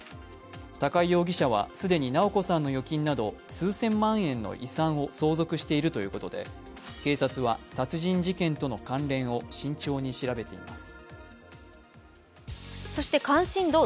高井容疑者は既に直子さんの預金など数千万円の遺産を相続しているということで、警察は殺人事件との関連を慎重に調べています。